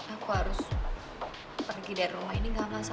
aku harus pergi dari rumah ini gak masalah